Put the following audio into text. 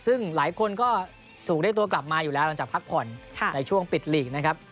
ซึ่งหลายคนก็ถูกเรียกตัวกลับมาอยู่แล้วหลังจากพักผ่อนในช่วงปิดหลีกนะครับ